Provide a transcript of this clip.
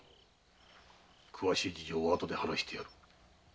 詳しい事情は後で話してやる。